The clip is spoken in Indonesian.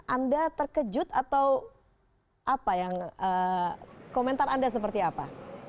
anda terkejut atau apa yang komentar anda seperti apa